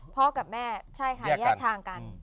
กับแม่ใช่ค่ะแยกทางกัน